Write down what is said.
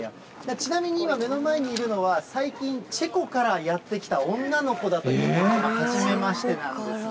ちなみに今、目の前にいるのは最近チェコからやって来た女の子だということですが、はじめましてなんですね。